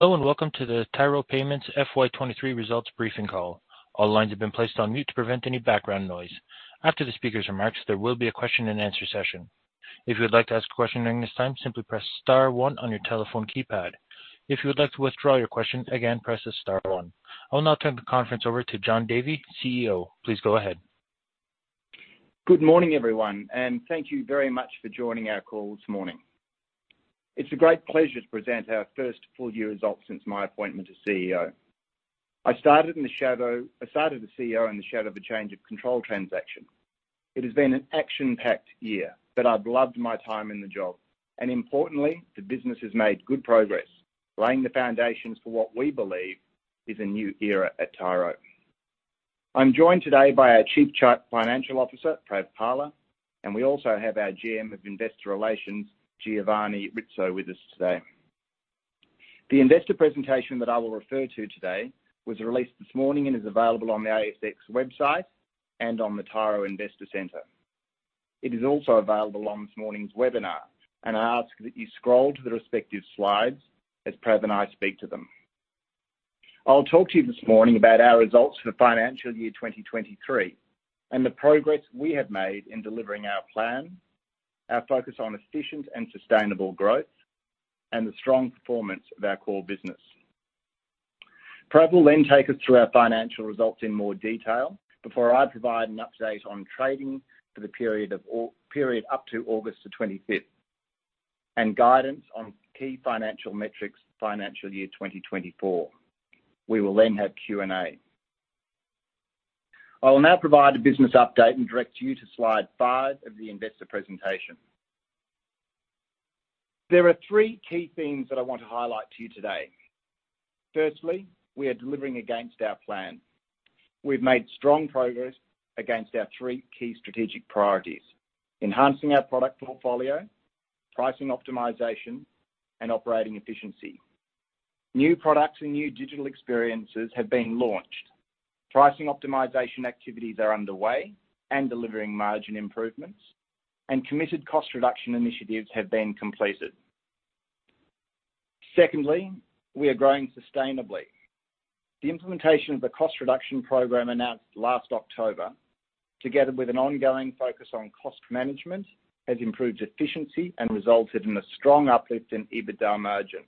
Hello, and welcome to the Tyro Payments FY 23 results briefing call. All lines have been placed on mute to prevent any background noise. After the speaker's remarks, there will be a question and answer session. If you would like to ask a question during this time, simply press star one on your telephone keypad. If you would like to withdraw your question, again, press star one. I will now turn the conference over to Jon Davey, CEO. Please go ahead. Good morning, everyone, and thank you very much for joining our call this morning. It's a great pleasure to present our first full year results since my appointment as CEO. I started as the CEO in the shadow of a change of control transaction. It has been an action-packed year, but I've loved my time in the job, and importantly, the business has made good progress, laying the foundations for what we believe is a new era at Tyro. I'm joined today by our Chief Financial Officer, Prav Pala, and we also have our GM of Investor Relations, Giovanni Rizzo, with us today. The investor presentation that I will refer to today was released this morning and is available on the ASX website and on the Tyro Investor Center. It is also available on this morning's webinar, and I ask that you scroll to the respective slides as Prav and I speak to them. I'll talk to you this morning about our results for the financial year 2023, and the progress we have made in delivering our plan, our focus on efficient and sustainable growth, and the strong performance of our core business. Prav will then take us through our financial results in more detail before I provide an update on trading for the period up to August 25, and guidance on key financial metrics, financial year 2024. We will then have Q&A. I will now provide a business update and direct you to slide 5 of the investor presentation. There are three key things that I want to highlight to you today. Firstly, we are delivering against our plan. We've made strong progress against our three key strategic priorities: enhancing our product portfolio, pricing optimization, and operating efficiency. New products and new digital experiences have been launched. Pricing optimization activities are underway and delivering margin improvements, and committed cost reduction initiatives have been completed. Secondly, we are growing sustainably. The implementation of the cost reduction program announced last October, together with an ongoing focus on cost management, has improved efficiency and resulted in a strong uplift in EBITDA margin.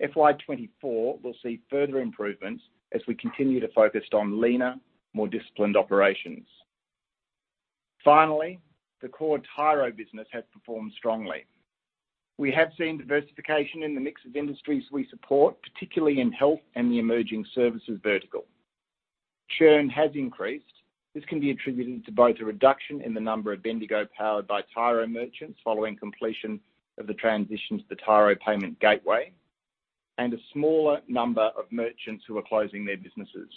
FY 2024 will see further improvements as we continue to focus on leaner, more disciplined operations. Finally, the core Tyro business has performed strongly. We have seen diversification in the mix of industries we support, particularly in health and the emerging services vertical. Churn has increased. This can be attributed to both a reduction in the number of Bendigo powered by Tyro merchants, following completion of the transition to the Tyro payment gateway, and a smaller number of merchants who are closing their businesses.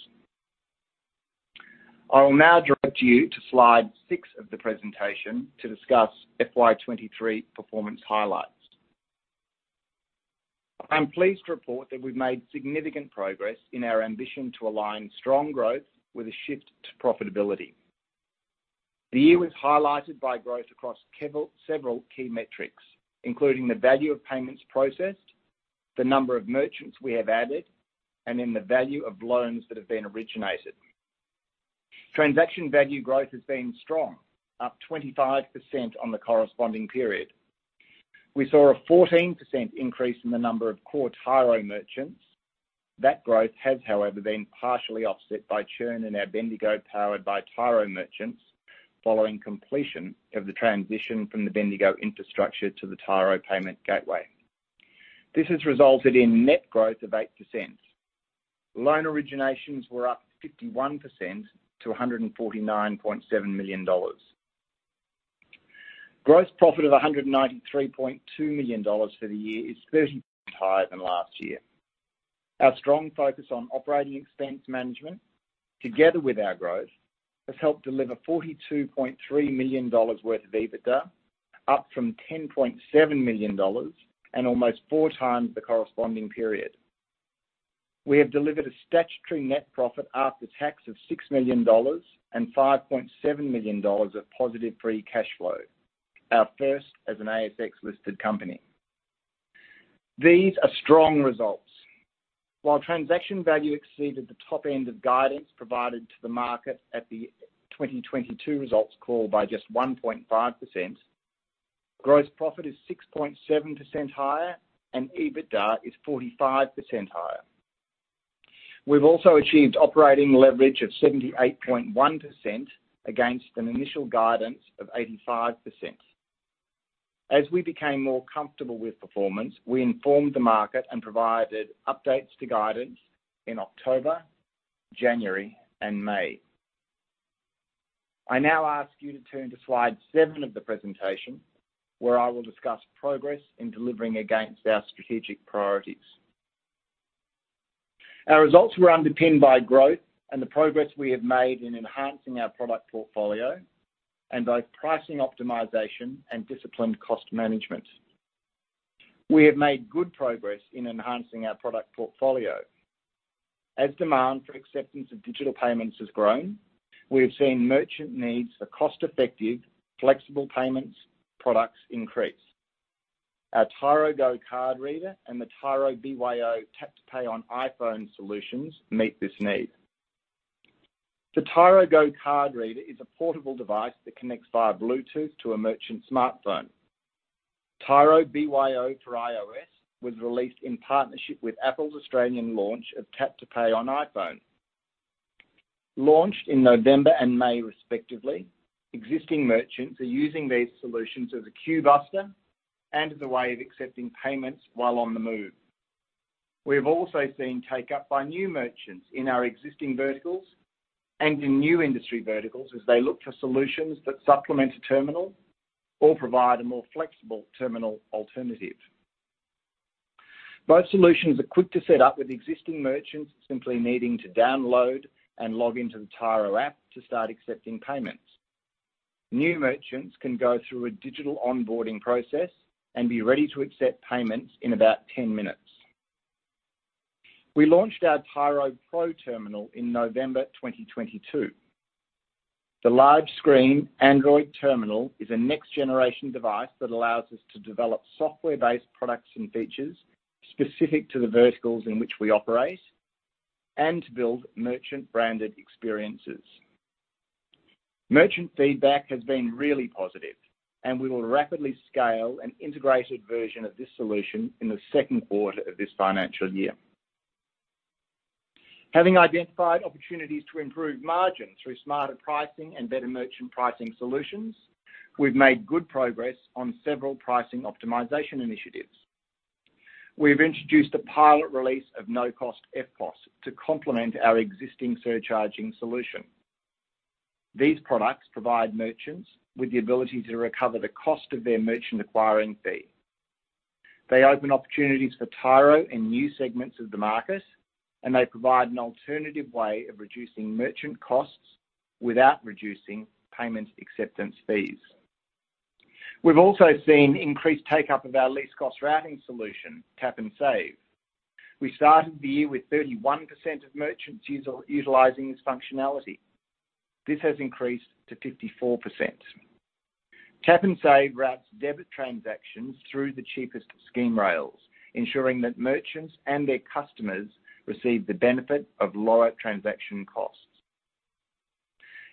I will now direct you to slide 6 of the presentation to discuss FY 2023 performance highlights. I'm pleased to report that we've made significant progress in our ambition to align strong growth with a shift to profitability. The year was highlighted by growth across several key metrics, including the value of payments processed, the number of merchants we have added, and in the value of loans that have been originated. Transaction value growth has been strong, up 25% on the corresponding period. We saw a 14% increase in the number of core Tyro merchants. That growth has, however, been partially offset by churn in our Bendigo powered by Tyro merchants, following completion of the transition from the Bendigo infrastructure to the Tyro payment gateway. This has resulted in net growth of 8%. Loan originations were up 51% to 149.7 million dollars. Gross profit of 193.2 million dollars for the year is 30% higher than last year. Our strong focus on operating expense management, together with our growth, has helped deliver 42.3 million dollars worth of EBITDA, up from 10.7 million dollars, and almost 4x the corresponding period. We have delivered a statutory net profit after tax of 6 million dollars, and 5.7 million dollars of positive free cash flow, our first as an ASX-listed company. These are strong results. While transaction value exceeded the top end of guidance provided to the market at the 2022 results call by just 1.5%, gross profit is 6.7% higher, and EBITDA is 45% higher. We've also achieved operating leverage of 78.1% against an initial guidance of 85%. As we became more comfortable with performance, we informed the market and provided updates to guidance in October, January, and May. I now ask you to turn to slide 7 of the presentation, where I will discuss progress in delivering against our strategic priorities. Our results were underpinned by growth and the progress we have made in enhancing our product portfolio and by pricing, optimization, and disciplined cost management. We have made good progress in enhancing our product portfolio.... As demand for acceptance of digital payments has grown, we have seen merchant needs for cost-effective, flexible payments products increase. Our Tyro Go card reader and the Tyro BYO Tap to Pay on iPhone solutions meet this need. The Tyro Go card reader is a portable device that connects via Bluetooth to a merchant's smartphone. Tyro BYO for iOS was released in partnership with Apple's Australian launch of Tap to Pay on iPhone. Launched in November and May respectively, existing merchants are using these solutions as a queue buster and as a way of accepting payments while on the move. We have also seen take-up by new merchants in our existing verticals and in new industry verticals, as they look for solutions that supplement a terminal or provide a more flexible terminal alternative. Both solutions are quick to set up, with existing merchants simply needing to download and log into the Tyro App to start accepting payments. New merchants can go through a digital onboarding process and be ready to accept payments in about 10 minutes. We launched our Tyro Pro terminal in November 2022. The large-screen Android terminal is a next-generation device that allows us to develop software-based products and features specific to the verticals in which we operate and build merchant-branded experiences. Merchant feedback has been really positive, and we will rapidly scale an integrated version of this solution in the second quarter of this financial year. Having identified opportunities to improve margins through smarter pricing and better merchant pricing solutions, we've made good progress on several pricing optimization initiatives. We've introduced a pilot release of no-cost EFTPOS to complement our existing surcharging solution. These products provide merchants with the ability to recover the cost of their merchant acquiring fee. They open opportunities for Tyro in new segments of the market, and they provide an alternative way of reducing merchant costs without reducing payments acceptance fees. We've also seen increased take-up of our least-cost routing solution, Tap and Save. We started the year with 31% of merchants utilizing this functionality. This has increased to 54%. Tap and Save routes debit transactions through the cheapest scheme rails, ensuring that merchants and their customers receive the benefit of lower transaction costs.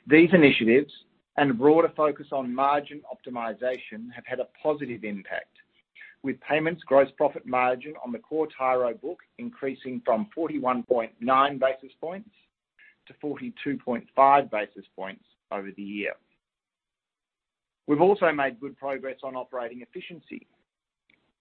These initiatives and a broader focus on margin optimization have had a positive impact, with payments gross profit margin on the core Tyro book increasing from 41.9 basis points to 42.5 basis points over the year. We've also made good progress on operating efficiency.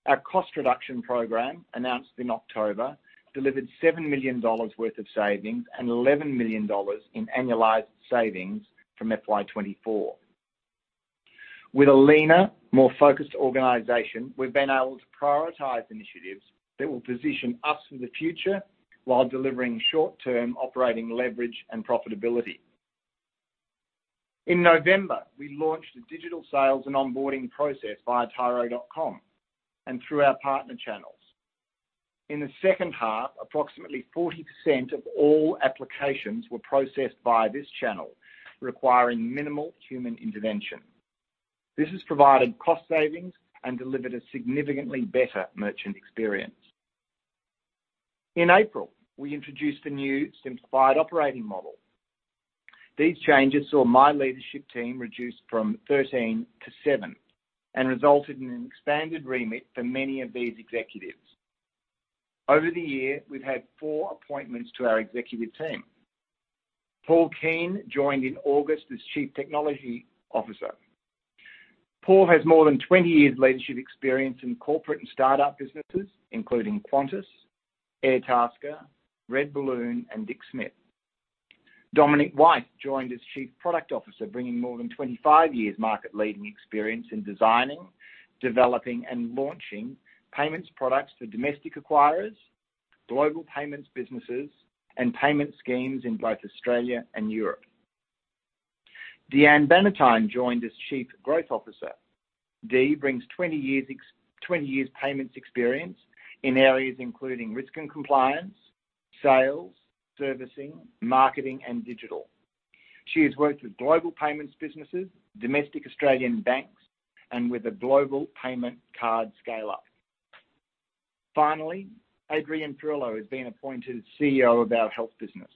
Our cost reduction program, announced in October, delivered 7 million dollars worth of savings and 11 million dollars in annualized savings from FY 2024. With a leaner, more focused organization, we've been able to prioritize initiatives that will position us for the future while delivering short-term operating leverage and profitability. In November, we launched a digital sales and onboarding process via Tyro.com and through our partner channels. In the second half, approximately 40% of all applications were processed via this channel, requiring minimal human intervention. This has provided cost savings and delivered a significantly better merchant experience. In April, we introduced a new simplified operating model. These changes saw my leadership team reduced from 13 to 7 and resulted in an expanded remit for many of these executives. Over the year, we've had 4 appointments to our executive team. Paul Keen joined in August as Chief Technology Officer. Paul has more than 20 years' leadership experience in corporate and startup businesses, including Qantas, Airtasker, RedBalloon, and Dick Smith. Dominic White joined as Chief Product Officer, bringing more than 25 years' market-leading experience in designing, developing, and launching payments products for domestic acquirers, global payments businesses, and payment schemes in both Australia and Europe. Deanne Bannatyne joined as Chief Growth Officer. Dee brings 20 years' payments experience in areas including risk and compliance, sales, servicing, marketing, and digital. She has worked with global payments businesses, domestic Australian banks, and with a global payment card scheme. Finally, Adrian Perillo has been appointed CEO of our health business.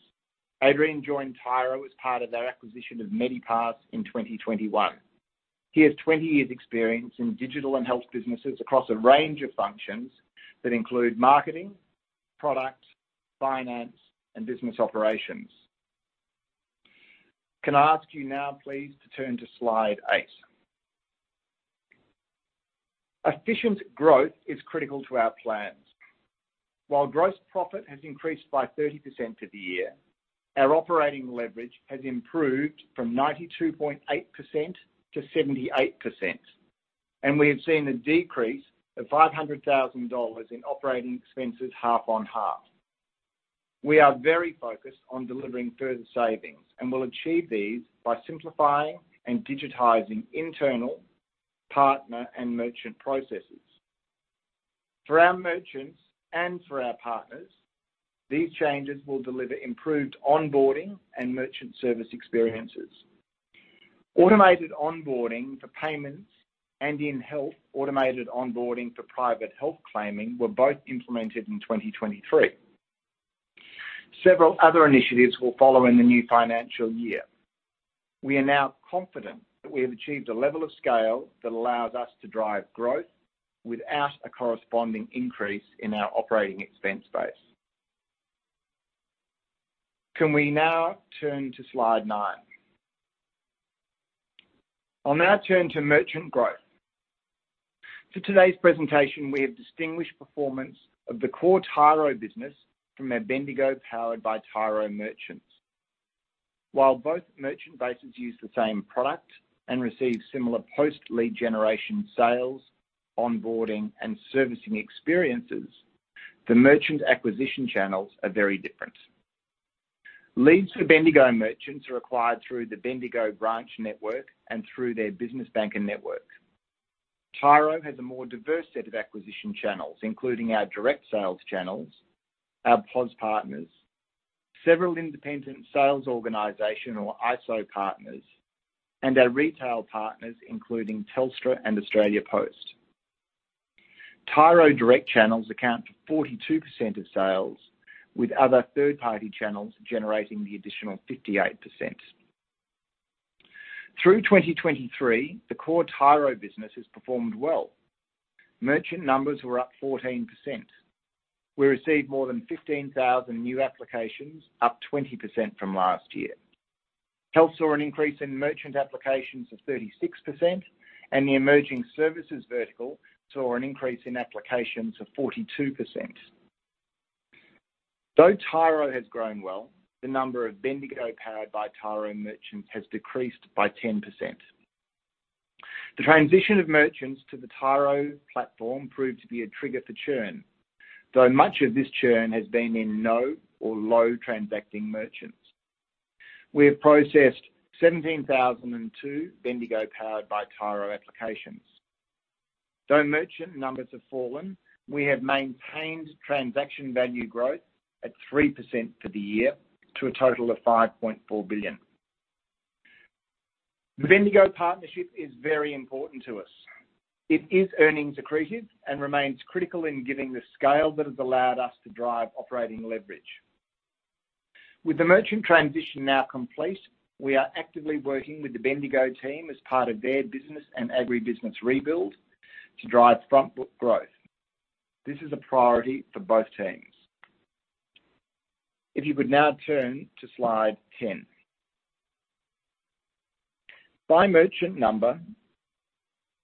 Adrian joined Tyro as part of our acquisition of Medipass in 2021. He has 20 years' experience in digital and health businesses across a range of functions that include marketing, product, finance, and business operations. Can I ask you now please, to turn to slide 8? Efficient growth is critical to our plans. While gross profit has increased by 30% for the year, our operating leverage has improved from 92.8% to 78%, and we have seen a decrease of 500,000 dollars in operating expenses half-on-half. We are very focused on delivering further savings and will achieve these by simplifying and digitizing internal, partner, and merchant processes. For our merchants and for our partners, these changes will deliver improved onboarding and merchant service experiences. Automated onboarding for payments and in-health automated onboarding for private health claiming were both implemented in 2023. Several other initiatives will follow in the new financial year. We are now confident that we have achieved a level of scale that allows us to drive growth without a corresponding increase in our operating expense base. Can we now turn to slide 9? I'll now turn to merchant growth. For today's presentation, we have distinguished performance of the core Tyro business from our Bendigo powered by Tyro merchants. While both merchant bases use the same product and receive similar post-lead generation sales, onboarding, and servicing experiences, the merchant acquisition channels are very different. Leads for Bendigo merchants are acquired through the Bendigo branch network and through their business banking network. Tyro has a more diverse set of acquisition channels, including our direct sales channels, our POS partners, several independent sales organization or ISO partners, and our retail partners, including Telstra and Australia Post. Tyro direct channels account for 42% of sales, with other third-party channels generating the additional 58%. Through 2023, the core Tyro business has performed well. Merchant numbers were up 14%. We received more than 15,000 new applications, up 20% from last year. Health saw an increase in merchant applications of 36%, and the emerging services vertical saw an increase in applications of 42%. Though Tyro has grown well, the number of Bendigo powered by Tyro merchants has decreased by 10%. The transition of merchants to the Tyro platform proved to be a trigger for churn, though much of this churn has been in no or low transacting merchants. We have processed 17,002 Bendigo powered by Tyro applications. Though merchant numbers have fallen, we have maintained transaction value growth at 3% for the year, to a total of 5.4 billion. The Bendigo partnership is very important to us. It is earnings accretive and remains critical in giving the scale that has allowed us to drive operating leverage. With the merchant transition now complete, we are actively working with the Bendigo team as part of their business and agribusiness rebuild to drive front book growth. This is a priority for both teams. If you could now turn to slide 10. By merchant number,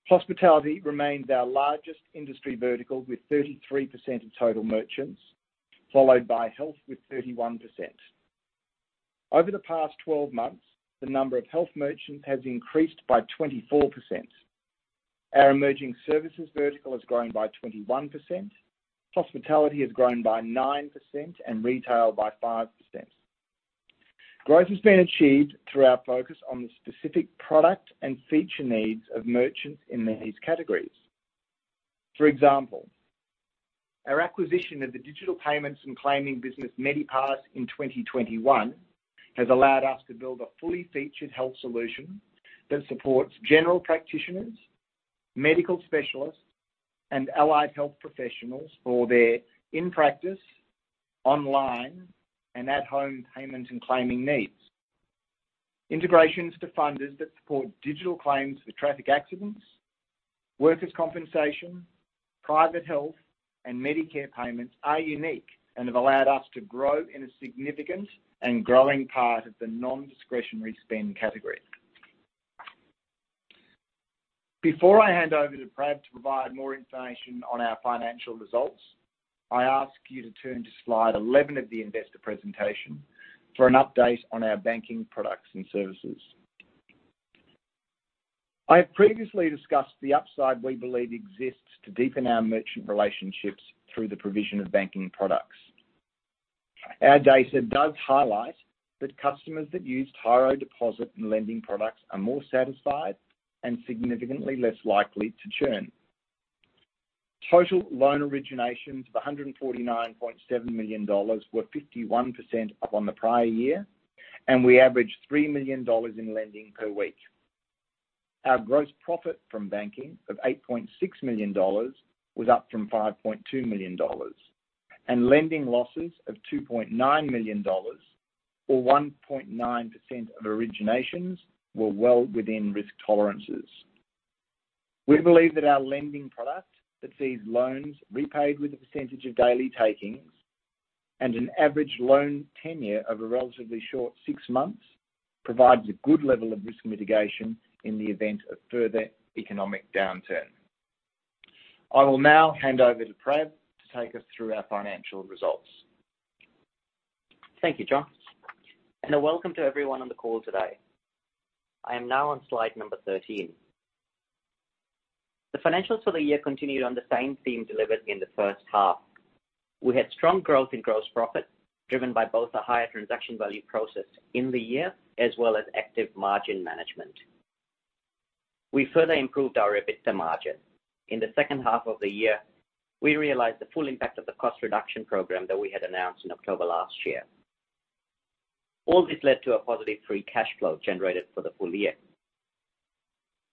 hospitality remains our largest industry vertical, with 33% of total merchants, followed by health with 31%. Over the past 12 months, the number of health merchants has increased by 24%. Our emerging services vertical has grown by 21%, hospitality has grown by 9%, and retail by 5%. Growth has been achieved through our focus on the specific product and feature needs of merchants in these categories. For example, our acquisition of the digital payments and claiming business, Medipass, in 2021, has allowed us to build a fully featured health solution that supports general practitioners, medical specialists, and allied health professionals for their in-practice, online, and at-home payments and claiming needs. Integrations to funders that support digital claims for traffic accidents, workers' compensation, private health, and Medicare payments are unique and have allowed us to grow in a significant and growing part of the non-discretionary spend category. Before I hand over to Prav to provide more information on our financial results, I ask you to turn to slide 11 of the investor presentation for an update on our banking products and services. I have previously discussed the upside we believe exists to deepen our merchant relationships through the provision of banking products. Our data does highlight that customers that use Tyro deposit and lending products are more satisfied and significantly less likely to churn. Total loan originations of 149.7 million dollars were 51% up on the prior year, and we averaged 3 million dollars in lending per week. Our gross profit from banking of 8.6 million dollars was up from 5.2 million dollars, and lending losses of 2.9 million dollars, or 1.9% of originations, were well within risk tolerances. We believe that our lending product that sees loans repaid with a percentage of daily takings and an average loan tenure of a relatively short six months, provides a good level of risk mitigation in the event of further economic downturn. I will now hand over to Prav to take us through our financial results. Thank you, Jon, and welcome to everyone on the call today. I am now on slide number 13. The financials for the year continued on the same theme delivered in the first half. We had strong growth in gross profit, driven by both a higher transaction value processed in the year as well as active margin management. We further improved our EBITDA margin. In the second half of the year, we realized the full impact of the cost reduction program that we had announced in October last year. All this led to a positive free cash flow generated for the full year.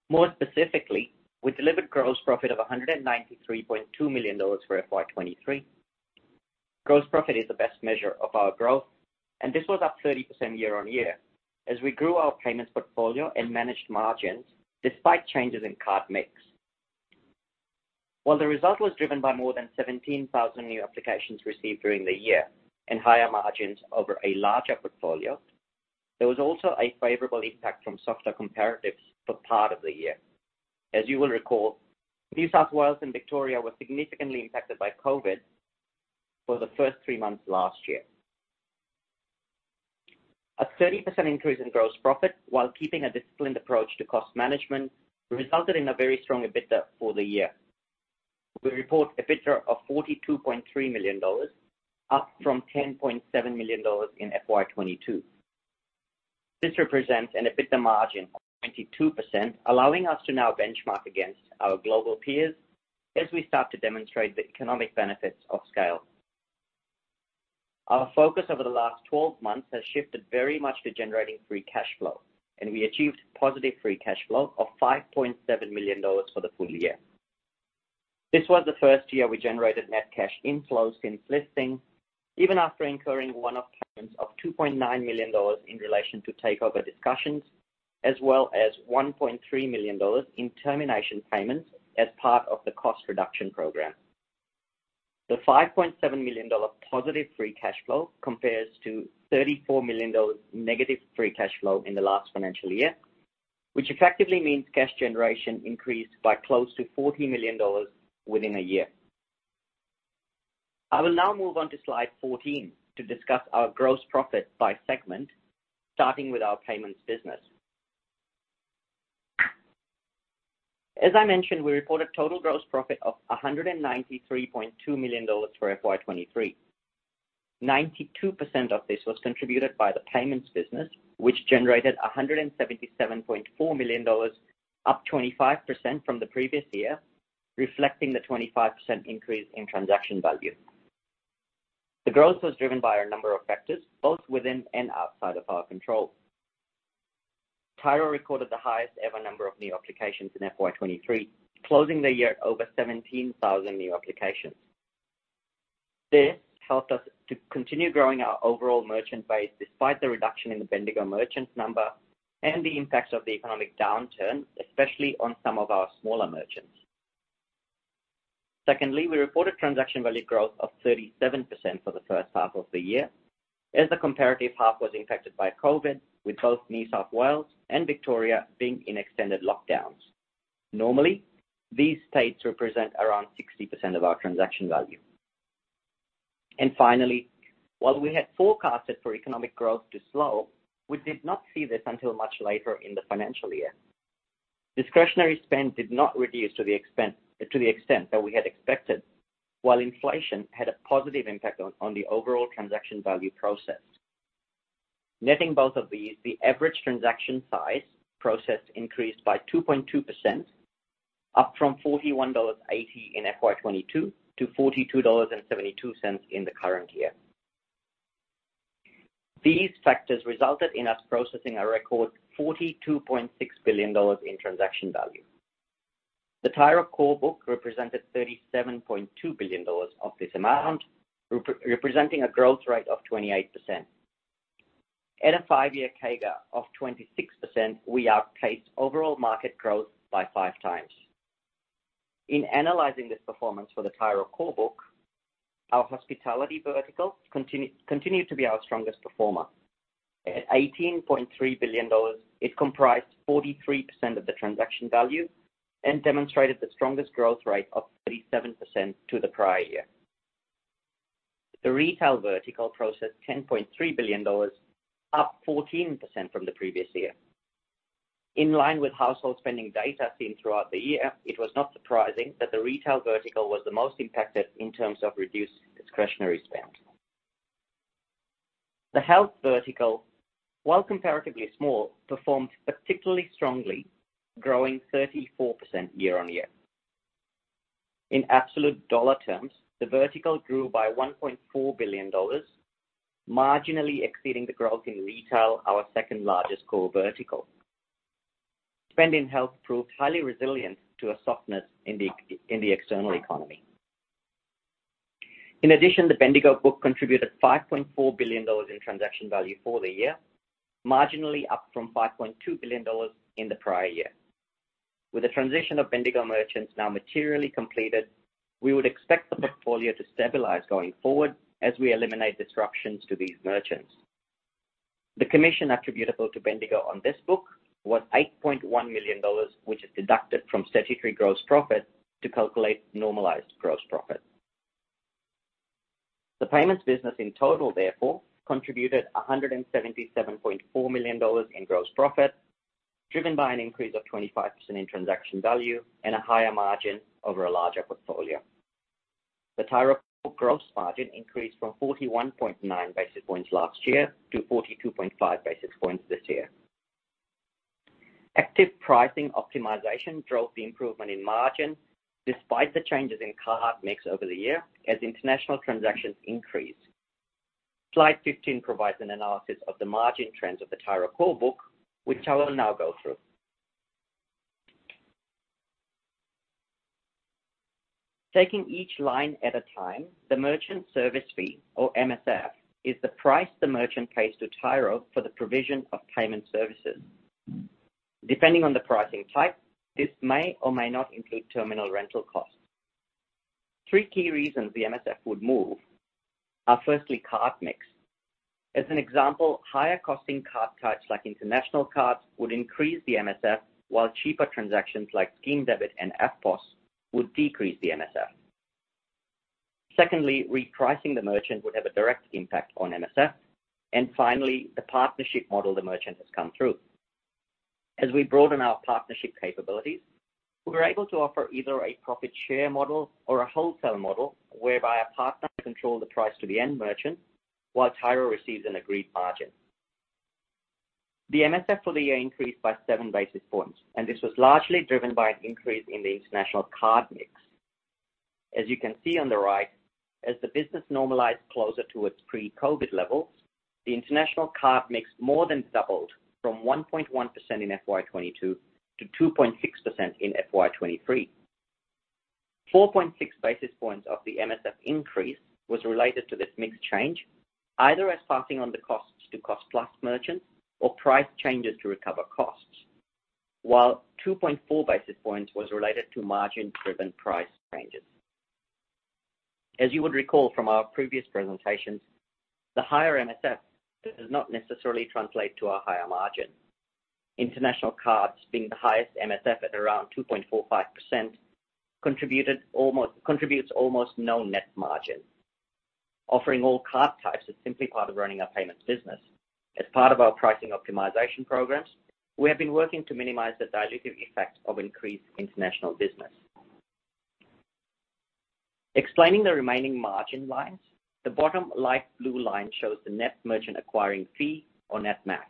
More specifically, we delivered gross profit of 193.2 million dollars for FY 2023. Gross profit is the best measure of our growth, and this was up 30% year-on-year, as we grew our payments portfolio and managed margins despite changes in card mix. While the result was driven by more than 17,000 new applications received during the year and higher margins over a larger portfolio, there was also a favorable impact from softer comparatives for part of the year. As you will recall, New South Wales and Victoria were significantly impacted by COVID for the first three months last year. A 30% increase in gross profit, while keeping a disciplined approach to cost management, resulted in a very strong EBITDA for the year. We report EBITDA of 42.3 million dollars, up from 10.7 million dollars in FY 2022. This represents an EBITDA margin of 22%, allowing us to now benchmark against our global peers as we start to demonstrate the economic benefits of scale. Our focus over the last 12 months has shifted very much to generating free cash flow, and we achieved positive free cash flow of 5.7 million dollars for the full year. This was the first year we generated net cash inflows since listing, even after incurring one-off payments of 2.9 million dollars in relation to takeover discussions, as well as 1.3 million dollars in termination payments as part of the cost reduction program. The 5.7 million dollar positive free cash flow compares to 34 million dollars negative free cash flow in the last financial year, which effectively means cash generation increased by close to 40 million dollars within a year. I will now move on to slide 14 to discuss our gross profit by segment, starting with our payments business. As I mentioned, we reported total gross profit of 193.2 million dollars for FY 2023. 92% of this was contributed by the payments business, which generated 177.4 million dollars, up 25% from the previous year, reflecting the 25% increase in transaction value. The growth was driven by a number of factors, both within and outside of our control. Tyro recorded the highest ever number of new applications in FY 2023, closing the year at over 17,000 new applications. This helped us to continue growing our overall merchant base, despite the reduction in the Bendigo merchant number and the impacts of the economic downturn, especially on some of our smaller merchants. Secondly, we reported transaction value growth of 37% for the first half of the year, as the comparative half was impacted by COVID, with both New South Wales and Victoria being in extended lockdowns. Normally, these states represent around 60% of our transaction value. Finally, while we had forecasted for economic growth to slow, we did not see this until much later in the financial year. Discretionary spend did not reduce to the extent that we had expected, while inflation had a positive impact on the overall transaction value processed. Netting both of these, the average transaction size processed increased by 2.2%, up from 41.80 dollars in FY 2022 to 42.72 dollars in the current year. These factors resulted in us processing a record 42.6 billion dollars in transaction value. The Tyro core book represented 37.2 billion dollars of this amount, representing a growth rate of 28%. At a five-year CAGR of 26%, we outpaced overall market growth by five times. In analyzing this performance for the Tyro core book, our hospitality vertical continued to be our strongest performer. At 18.3 billion dollars, it comprised 43% of the transaction value and demonstrated the strongest growth rate of 37% to the prior year. The retail vertical processed 10.3 billion dollars, up 14% from the previous year. In line with household spending data seen throughout the year, it was not surprising that the retail vertical was the most impacted in terms of reduced discretionary spend. The health vertical, while comparatively small, performed particularly strongly, growing 34% year-on-year. In absolute dollar terms, the vertical grew by 1.4 billion dollars, marginally exceeding the growth in retail, our second-largest core vertical. Spending in health proved highly resilient to a softness in the external economy. In addition, the Bendigo book contributed 5.4 billion dollars in transaction value for the year, marginally up from 5.2 billion dollars in the prior year. With the transition of Bendigo merchants now materially completed, we would expect the portfolio to stabilize going forward as we eliminate disruptions to these merchants. The commission attributable to Bendigo on this book was 8.1 million dollars, which is deducted from statutory gross profit to calculate normalized gross profit. The payments business in total, therefore, contributed 177.4 million dollars in gross profit. Driven by an increase of 25% in transaction value and a higher margin over a larger portfolio. The Tyro core gross margin increased from 41.9 basis points last year to 42.5 basis points this year. Active pricing optimization drove the improvement in margin, despite the changes in card mix over the year, as international transactions increased. Slide 15 provides an analysis of the margin trends of the Tyro core book, which I will now go through. Taking each line at a time, the merchant service fee, or MSF, is the price the merchant pays to Tyro for the provision of payment services. Depending on the pricing type, this may or may not include terminal rental costs. Three key reasons the MSF would move are, firstly, card mix. As an example, higher costing card types like international cards would increase the MSF, while cheaper transactions like scheme debit and EFTPOS would decrease the MSF. Secondly, repricing the merchant would have a direct impact on MSF. And finally, the partnership model the merchant has come through. As we broaden our partnership capabilities, we're able to offer either a profit share model or a wholesale model, whereby a partner controls the price to the end merchant, while Tyro receives an agreed margin. The MSF for the year increased by 7 basis points, and this was largely driven by an increase in the international card mix. As you can see on the right, as the business normalized closer to its pre-COVID levels, the international card mix more than doubled from 1.1% in FY 2022 to 2.6% in FY 2023. 4.6 basis points of the MSF increase was related to this mix change, either as passing on the costs to cost-plus merchants or price changes to recover costs, while 2.4 basis points was related to margin-driven price ranges. As you would recall from our previous presentations, the higher MSF does not necessarily translate to a higher margin. International cards, being the highest MSF at around 2.45%, contributes almost no net margin. Offering all card types is simply part of running our payments business. As part of our pricing optimization programs, we have been working to minimize the dilutive effects of increased international business. Explaining the remaining margin lines, the bottom light blue line shows the net merchant acquiring fee, or net MAC.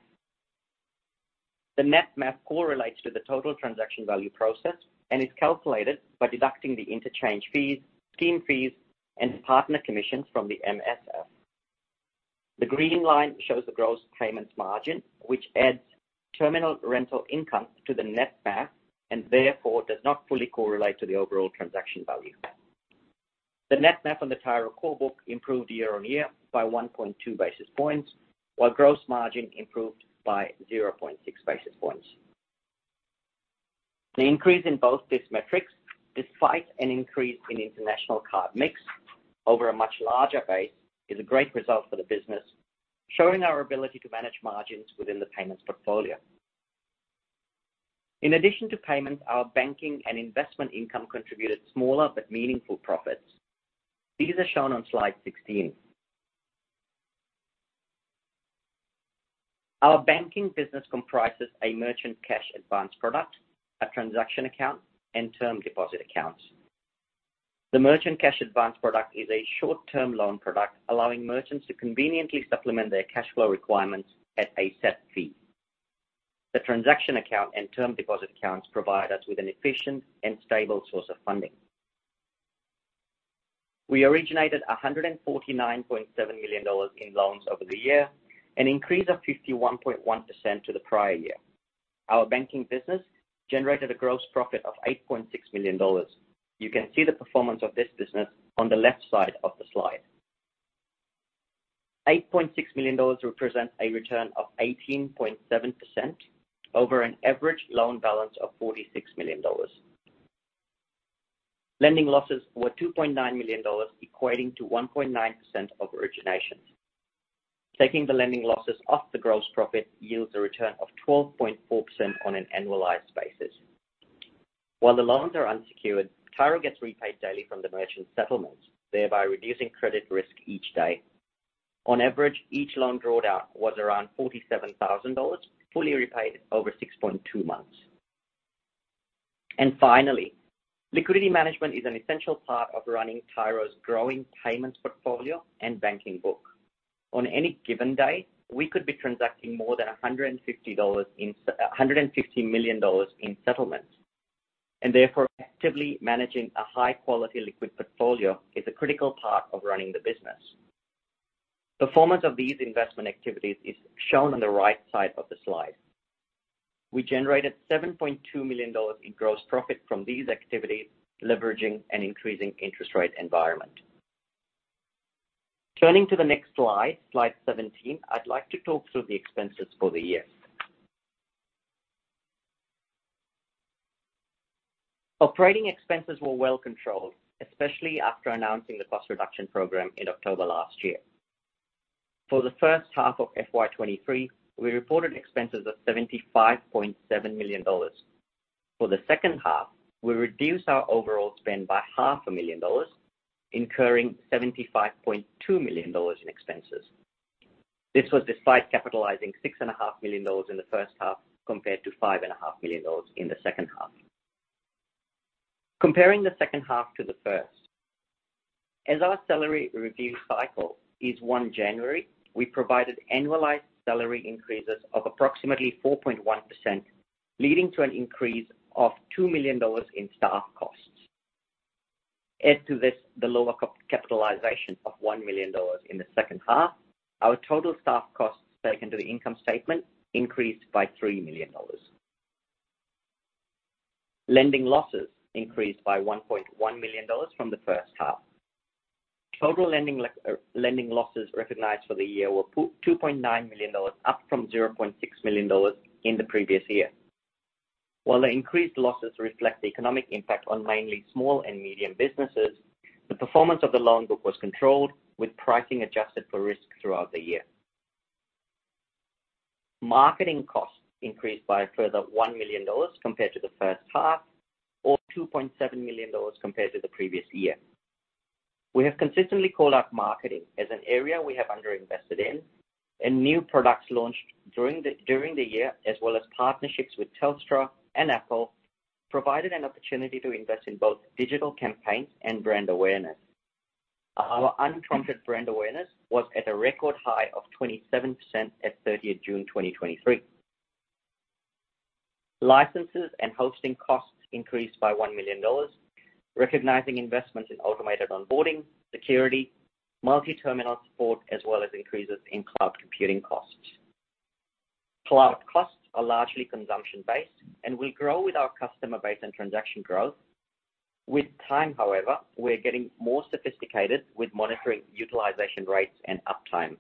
The net MAC correlates to the total transaction value process and is calculated by deducting the interchange fees, scheme fees, and partner commissions from the MSF. The green line shows the gross payments margin, which adds terminal rental income to the net MAC, and therefore does not fully correlate to the overall transaction value. The net MAC on the Tyro core book improved year on year by 1.2 basis points, while gross margin improved by 0.6 basis points. The increase in both these metrics, despite an increase in international card mix over a much larger base, is a great result for the business, showing our ability to manage margins within the payments portfolio. In addition to payments, our banking and investment income contributed smaller but meaningful profits. These are shown on slide 16. Our banking business comprises a merchant cash advance product, a transaction account, and term deposit accounts. The merchant cash advance product is a short-term loan product, allowing merchants to conveniently supplement their cash flow requirements at a set fee. The transaction account and term deposit accounts provide us with an efficient and stable source of funding. We originated 149.7 million dollars in loans over the year, an increase of 51.1% to the prior year. Our banking business generated a gross profit of 8.6 million dollars. You can see the performance of this business on the left side of the slide. 8.6 million dollars represents a return of 18.7% over an average loan balance of 46 million dollars. Lending losses were 2.9 million dollars, equating to 1.9% of originations. Taking the lending losses off the gross profit yields a return of 12.4% on an annualized basis. While the loans are unsecured, Tyro gets repaid daily from the merchant settlements, thereby reducing credit risk each day. On average, each loan drawn out was around 47,000 dollars, fully repaid over 6.2 months. And finally, liquidity management is an essential part of running Tyro's growing payments portfolio and banking book. On any given day, we could be transacting more than 150 million dollars in settlements, and therefore actively managing a high-quality liquid portfolio is a critical part of running the business. Performance of these investment activities is shown on the right side of the slide. We generated 7.2 million dollars in gross profit from these activities, leveraging an increasing interest rate environment. Turning to the next slide, slide 17, I'd like to talk through the expenses for the year. Operating expenses were well controlled, especially after announcing the cost reduction program in October last year. For the first half of FY 2023, we reported expenses of 75.7 million dollars. For the second half, we reduced our overall spend by 0.5 million dollars, incurring 75.2 million dollars in expenses. This was despite capitalizing 6.5 million dollars in the first half, compared to 5.5 million dollars in the second half. Comparing the second half to the first, as our salary review cycle is 1 January, we provided annualized salary increases of approximately 4.1%, leading to an increase of 2 million dollars in staff costs. Add to this, the lower capitalization of 1 million dollars in the second half, our total staff costs taken to the income statement increased by 3 million dollars. Lending losses increased by 1.1 million dollars from the first half. Total lending losses recognized for the year were 2.9 million dollars, up from 0.6 million dollars in the previous year. While the increased losses reflect the economic impact on mainly small and medium businesses, the performance of the loan book was controlled, with pricing adjusted for risk throughout the year. Marketing costs increased by a further 1 million dollars compared to the first half, or 2.7 million dollars compared to the previous year. We have consistently called out marketing as an area we have underinvested in, and new products launched during the year, as well as partnerships with Telstra and Apple, provided an opportunity to invest in both digital campaigns and brand awareness. Our unprompted brand awareness was at a record high of 27% at 30th June, 2023. Licenses and hosting costs increased by 1 million dollars, recognizing investments in automated onboarding, security, multi-terminal support, as well as increases in cloud computing costs. Cloud costs are largely consumption-based and will grow with our customer base and transaction growth. With time, however, we're getting more sophisticated with monitoring utilization rates and uptime.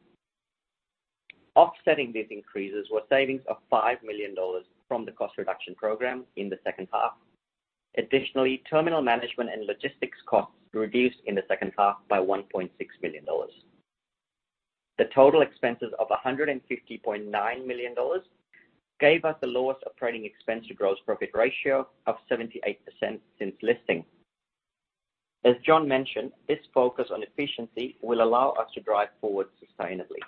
Offsetting these increases were savings of 5 million dollars from the cost reduction program in the second half. Additionally, terminal management and logistics costs reduced in the second half by 1.6 million dollars. The total expenses of 150.9 million dollars gave us the lowest operating expense to gross profit ratio of 78% since listing. As Jon mentioned, this focus on efficiency will allow us to drive forward sustainably.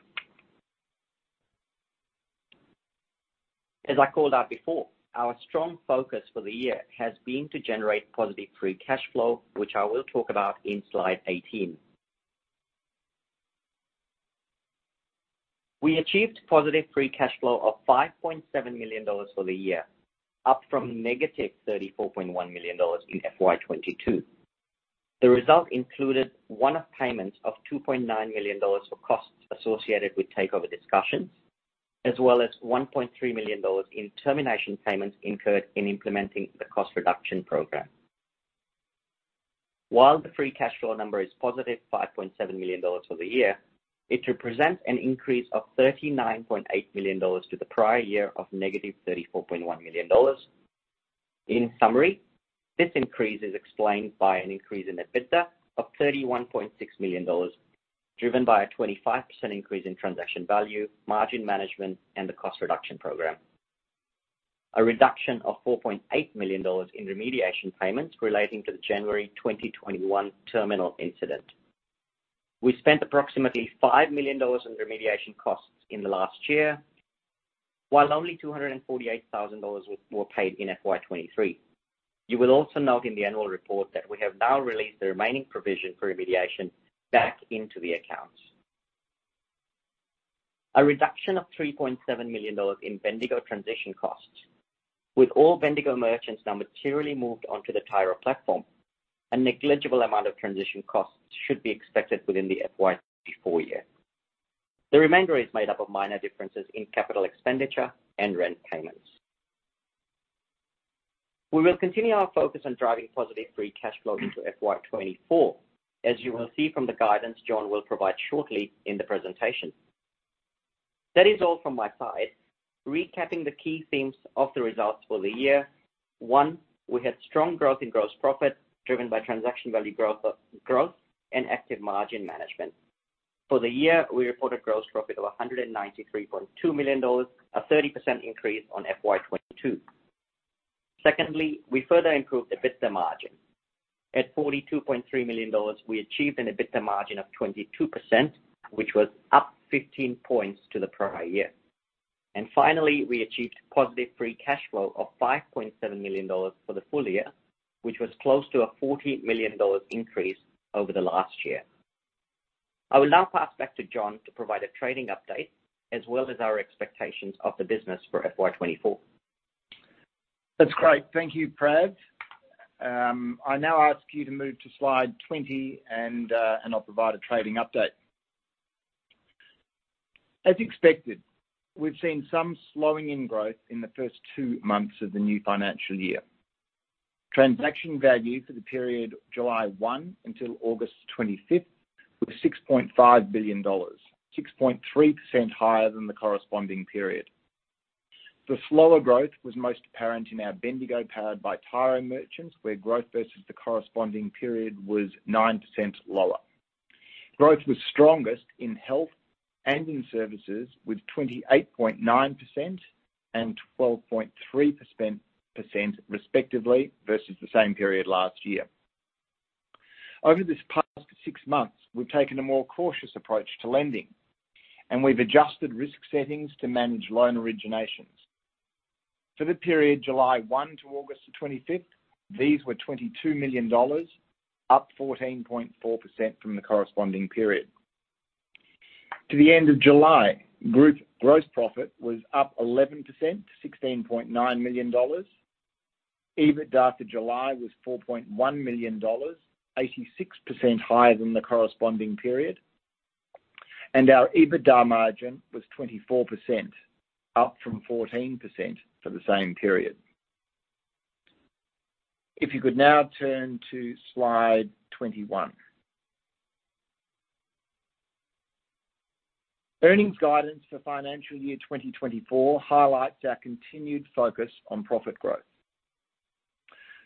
As I called out before, our strong focus for the year has been to generate positive free cash flow, which I will talk about in slide 18. We achieved positive free cash flow of 5.7 million dollars for the year, up from -34.1 million dollars in FY 2022. The result included one-off payments of 2.9 million dollars for costs associated with takeover discussions, as well as 1.3 million dollars in termination payments incurred in implementing the cost reduction program. While the free cash flow number is positive, 5.7 million dollars for the year, it represents an increase of 39.8 million dollars to the prior year of -34.1 million dollars. In summary, this increase is explained by an increase in EBITDA of 31.6 million dollars, driven by a 25% increase in transaction value, margin management, and the cost reduction program. A reduction of 4.8 million dollars in remediation payments relating to the January 2021 terminal incident. We spent approximately 5 million dollars on remediation costs in the last year, while only 248,000 dollars were paid in FY 2023. You will also note in the annual report that we have now released the remaining provision for remediation back into the accounts. A reduction of 3.7 million dollars in Bendigo transition costs. With all Bendigo merchants now materially moved onto the Tyro platform, a negligible amount of transition costs should be expected within the FY 2024 year. The remainder is made up of minor differences in capital expenditure and rent payments. We will continue our focus on driving positive free cash flow into FY 2024, as you will see from the guidance Jon will provide shortly in the presentation. That is all from my side. Recapping the key themes of the results for the year. One, we had strong growth in gross profit, driven by transaction value growth, and active margin management. For the year, we reported gross profit of 193.2 million dollars, a 30% increase on FY 2022. Secondly, we further improved EBITDA margin. At 42.3 million dollars, we achieved an EBITDA margin of 22%, which was up 15 points to the prior year. Finally, we achieved positive free cash flow of 5.7 million dollars for the full year, which was close to a 40 million dollars increase over the last year. I will now pass back to Jon to provide a trading update, as well as our expectations of the business for FY 2024. That's great. Thank you, Prav. I now ask you to move to slide 20, and I'll provide a trading update. As expected, we've seen some slowing in growth in the first two months of the new financial year. Transaction value for the period July 1 until August 25 was 6.5 billion dollars, 6.3% higher than the corresponding period. The slower growth was most apparent in our Bendigo, powered by Tyro merchants, where growth versus the corresponding period was 9% lower. Growth was strongest in health and in services, with 28.9% and 12.3% respectively, versus the same period last year. Over this past six months, we've taken a more cautious approach to lending, and we've adjusted risk settings to manage loan originations. For the period July 1 to August 25, these were 22 million dollars, up 14.4% from the corresponding period. To the end of July, group gross profit was up 11% to 16.9 million dollars. EBITDA for July was 4.1 million dollars, 86% higher than the corresponding period, and our EBITDA margin was 24%, up from 14% for the same period. If you could now turn to slide 21. Earnings guidance for financial year 2024 highlights our continued focus on profit growth.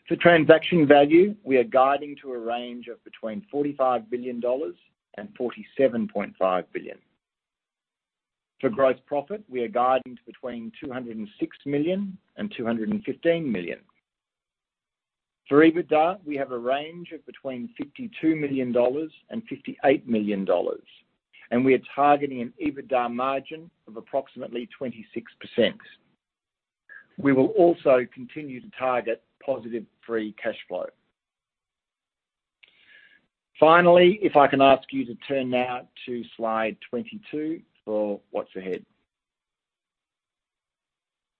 For transaction value, we are guiding to a range of between 45 billion dollars and 47.5 billion. For gross profit, we are guiding to between 206 million and 215 million. For EBITDA, we have a range of between 52 million dollars and 58 million dollars, and we are targeting an EBITDA margin of approximately 26%. We will also continue to target positive free cash flow. Finally, if I can ask you to turn now to slide 22 for what's ahead.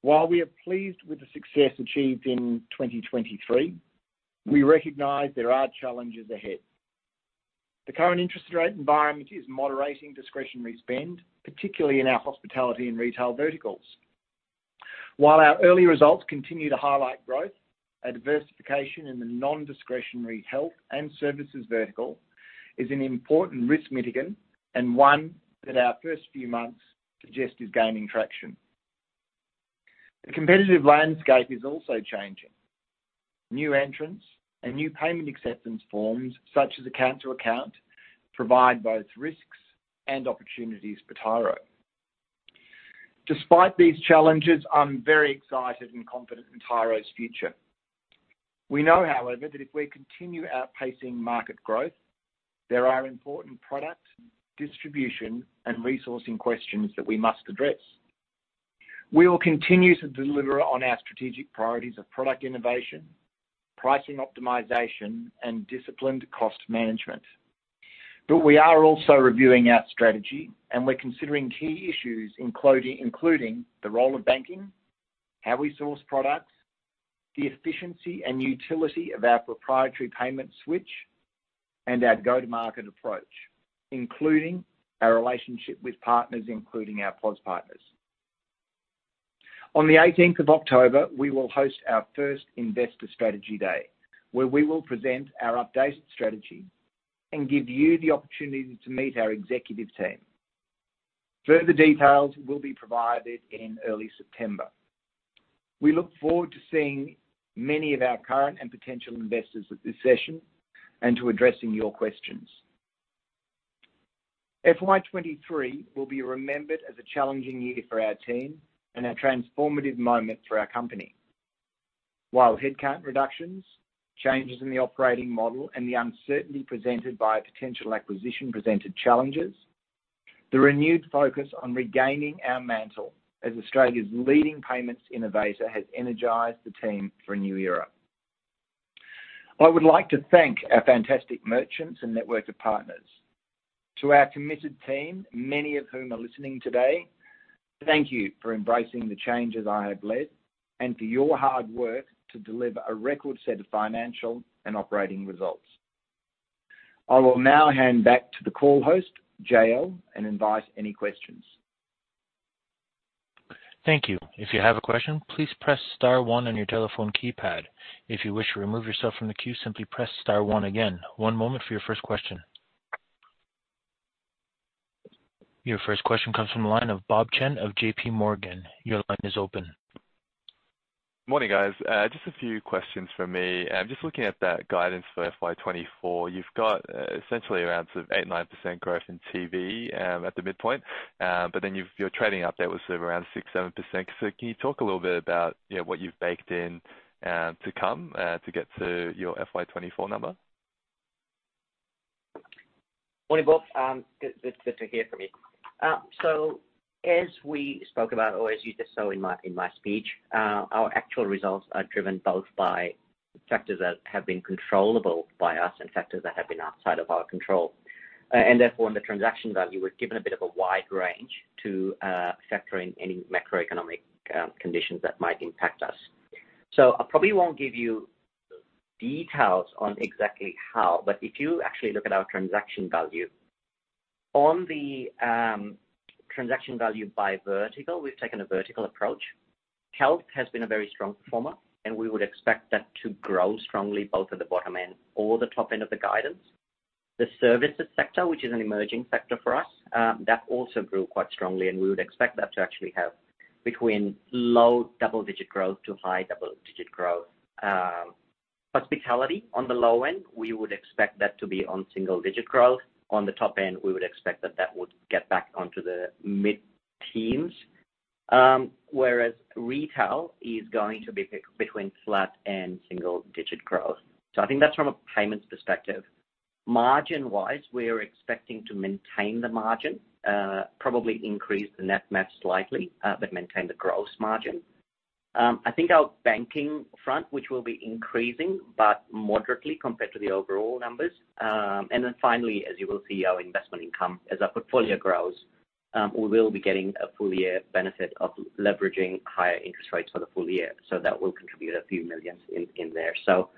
While we are pleased with the success achieved in 2023, we recognize there are challenges ahead. The current interest rate environment is moderating discretionary spend, particularly in our hospitality and retail verticals. While our early results continue to highlight growth, our diversification in the non-discretionary health and services vertical is an important risk mitigant, and one that our first few months suggest is gaining traction. The competitive landscape is also changing. New entrants and new payment acceptance forms, such as account to account, provide both risks and opportunities for Tyro. Despite these challenges, I'm very excited and confident in Tyro's future. We know, however, that if we continue outpacing market growth, there are important product, distribution, and resourcing questions that we must address. We will continue to deliver on our strategic priorities of product innovation, pricing optimization, and disciplined cost management. But we are also reviewing our strategy, and we're considering key issues, including the role of banking, how we source products, the efficiency and utility of our proprietary payment switch, and our go-to-market approach, including our relationship with partners, including our POS partners. On the eighteenth of October, we will host our first Investor Strategy Day, where we will present our updated strategy and give you the opportunity to meet our executive team. Further details will be provided in early September. We look forward to seeing many of our current and potential investors at this session and to addressing your questions. FY 2023 will be remembered as a challenging year for our team and a transformative moment for our company. While headcount reductions, changes in the operating model, and the uncertainty presented by a potential acquisition presented challenges, the renewed focus on regaining our mantle as Australia's leading payments innovator has energized the team for a new era. I would like to thank our fantastic merchants and network of partners. To our committed team, many of whom are listening today, thank you for embracing the changes I have led and for your hard work to deliver a record set of financial and operating results. I will now hand back to the call host, J.L., and invite any questions. Thank you. If you have a question, please press star one on your telephone keypad. If you wish to remove yourself from the queue, simply press star one again. One moment for your first question. Your first question comes from the line of Bob Chen of JPMorgan. Your line is open. Morning, guys. Just a few questions from me. Just looking at that guidance for FY 2024, you've got, essentially around sort of 8%-9% growth in TV, at the midpoint. But then you've-- you're trading up there with sort of around 6%-7%. So can you talk a little bit about, you know, what you've baked in, to come, to get to your FY 2024 number? Morning, Bob. Good to hear from you. So as we spoke about or as you just saw in my speech, our actual results are driven both by factors that have been controllable by us and factors that have been outside of our control. And therefore, in the transaction value, we've given a bit of a wide range to factor in any macroeconomic conditions that might impact us. So I probably won't give you details on exactly how, but if you actually look at our transaction value, on the transaction value by vertical, we've taken a vertical approach. Health has been a very strong performer, and we would expect that to grow strongly both at the bottom end or the top end of the guidance. The services sector, which is an emerging sector for us, that also grew quite strongly, and we would expect that to actually have between low double-digit growth to high double-digit growth,... Hospitality, on the low end, we would expect that to be on single-digit growth. On the top end, we would expect that that would get back onto the mid-teens. Whereas retail is going to be between flat and single-digit growth. So I think that's from a payments perspective. Margin-wise, we're expecting to maintain the margin, probably increase the net MAC slightly, but maintain the gross margin. I think our banking front, which will be increasing, but moderately compared to the overall numbers. And then finally, as you will see, our investment income, as our portfolio grows, we will be getting a full year benefit of leveraging higher interest rates for the full year. So that will contribute a few million AUD in there. So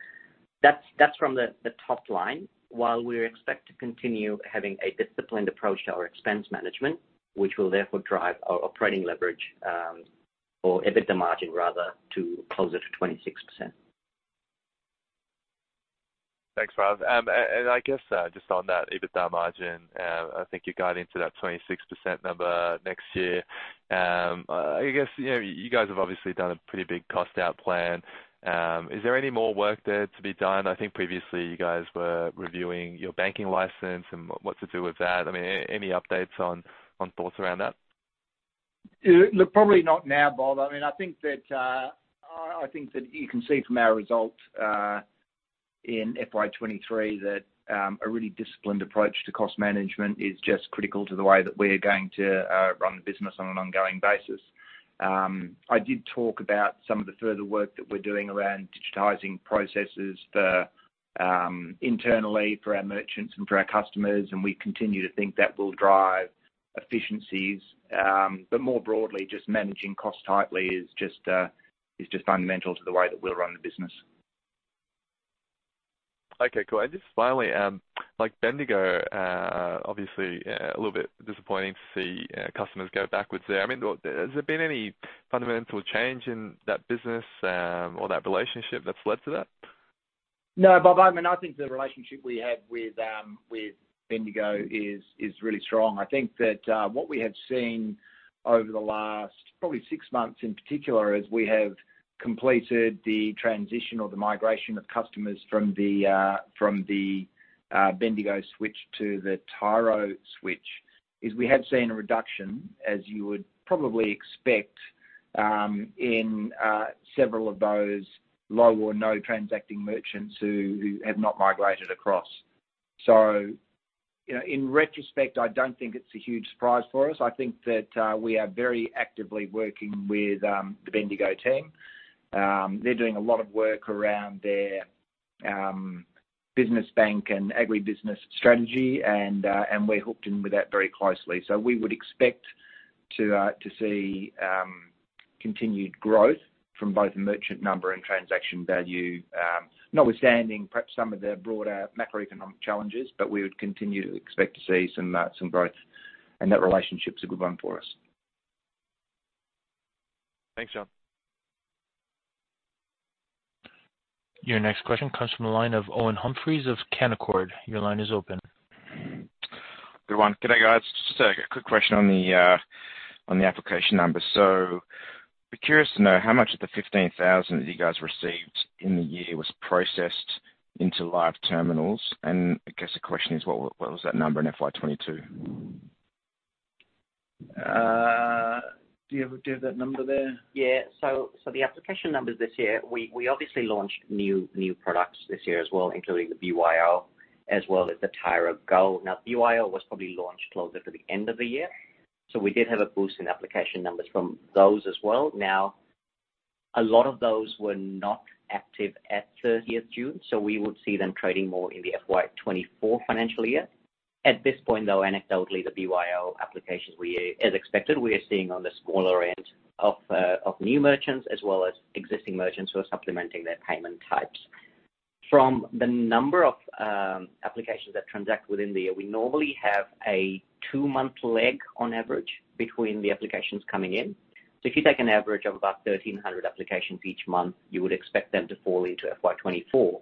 that's, that's from the, the top line. While we expect to continue having a disciplined approach to our expense management, which will therefore drive our operating leverage, or EBITDA margin rather, to closer to 26%. Thanks, Prav. I guess, just on that EBITDA margin, I think you got into that 26% number next year. I guess, you know, you guys have obviously done a pretty big cost out plan. Is there any more work there to be done? I think previously you guys were reviewing your banking license and what to do with that. I mean, any updates on thoughts around that? Look, probably not now, Bob. I mean, I think that you can see from our results in FY 2023 that a really disciplined approach to cost management is just critical to the way that we're going to run the business on an ongoing basis. I did talk about some of the further work that we're doing around digitizing processes for internally, for our merchants and for our customers, and we continue to think that will drive efficiencies. But more broadly, just managing costs tightly is just fundamental to the way that we'll run the business. Okay, cool. And just finally, like Bendigo, obviously, a little bit disappointing to see customers go backwards there. I mean, has there been any fundamental change in that business, or that relationship that's led to that? No, Bob, I mean, I think the relationship we have with, with Bendigo is, is really strong. I think that, what we have seen over the last probably six months in particular, is we have completed the transition or the migration of customers from the, from the, Bendigo switch to the Tyro switch, is we have seen a reduction, as you would probably expect, in, several of those low or no transacting merchants who, who have not migrated across. So, you know, in retrospect, I don't think it's a huge surprise for us. I think that, we are very actively working with, the Bendigo team. They're doing a lot of work around their, business bank and agribusiness strategy, and, and we're hooked in with that very closely. So we would expect to, to see continued growth from both merchant number and transaction value, notwithstanding perhaps some of the broader macroeconomic challenges, but we would continue to expect to see some, some growth, and that relationship's a good one for us. Thanks, Jon. Your next question comes from the line of Owen Humphries of Canaccord. Your line is open. Good one. Good day, guys. Just a quick question on the application number. So be curious to know how much of the 15,000 that you guys received in the year was processed into live terminals? And I guess the question is: what was that number in FY 2022? Do you have that number there? Yeah. So, the application numbers this year, we obviously launched new products this year as well, including the BYO, as well as the Tyro Go. Now, BYO was probably launched closer to the end of the year, so we did have a boost in application numbers from those as well. Now, a lot of those were not active at 30th June, so we would see them trading more in the FY 2024 financial year. At this point, though, anecdotally, the BYO applications we... As expected, we are seeing on the smaller end of of new merchants, as well as existing merchants who are supplementing their payment types. From the number of applications that transact within the year, we normally have a two-month lag on average between the applications coming in. So if you take an average of about 1,300 applications each month, you would expect them to fall into FY 2024.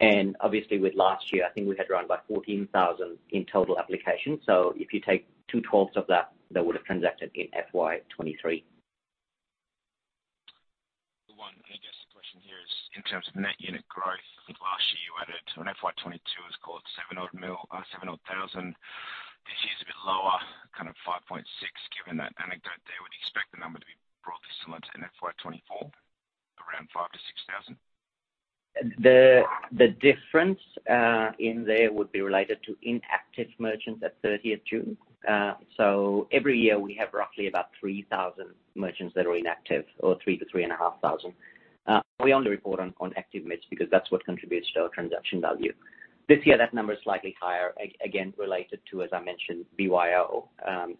And obviously with last year, I think we had around about 14,000 in total applications. So if you take 2/12 of that, that would have transacted in FY 2023. One, I guess the question here is, in terms of net unit growth, last year you added, on FY 2022, it was called 7 odd thousand. This year's a bit lower, kind of 5.6. Given that anecdote there, would you expect the number to be broadly similar to FY 2024, around 5,000-6,000? The difference in there would be related to inactive merchants at 30th June. So every year we have roughly about 3,000 merchants that are inactive, or 3-3.5 thousand. We only report on active merchants, because that's what contributes to our transaction value. This year, that number is slightly higher, again, related to, as I mentioned, BYO,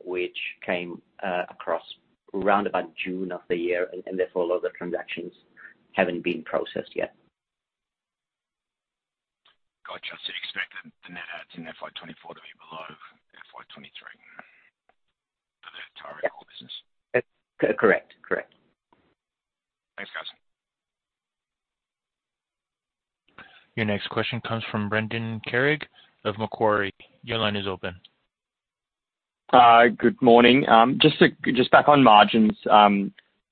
which came across around about June of the year, and therefore all the transactions haven't been processed yet. Gotcha. So you expect the net adds in FY24 to be below FY23 for the Tyro Go business? Yes. That's correct. Correct. Thanks, guys. Your next question comes from Brendan Carrig of Macquarie. Your line is open. Good morning. Just back on margins,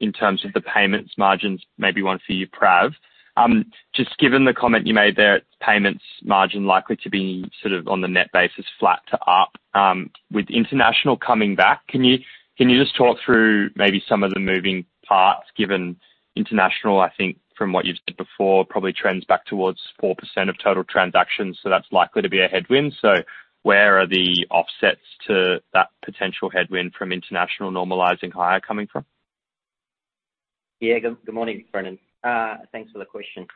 in terms of the payments margins, maybe one for you, Prav. Just given the comment you made there, payments margin likely to be sort of on the net basis, flat to up. With international coming back, can you just talk through maybe some of the moving parts, given international, I think from what you've said before, probably trends back towards 4% of total transactions, so that's likely to be a headwind. So where are the offsets to that potential headwind from international normalizing higher coming from? Yeah, good morning, Brendan. Thanks for the question.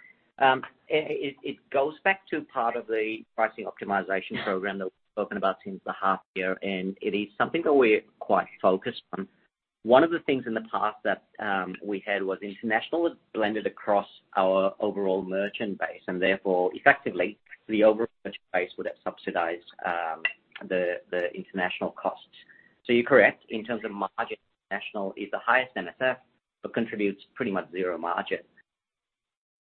It goes back to part of the pricing optimization program that we've spoken about since the half year, and it is something that we're quite focused on. One of the things in the past that we had was international was blended across our overall merchant base, and therefore, effectively, the overall merchant base would have subsidized the international costs. So you're correct, in terms of margin, international is the highest MSF, but contributes pretty much zero margin.